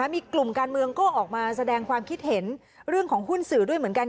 มีกลุ่มการเมืองก็ออกมาแสดงความคิดเห็นเรื่องของหุ้นสื่อด้วยเหมือนกัน